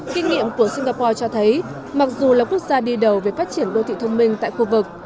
kinh nghiệm của singapore cho thấy mặc dù là quốc gia đi đầu về phát triển đô thị thông minh tại khu vực